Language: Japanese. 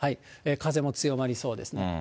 風も強まりそうですね。